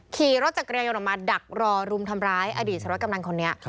ขี่รถจักรยานยนต์ออกมาดักรอรุมทำร้ายอดีตสารวัตกำนันคนนี้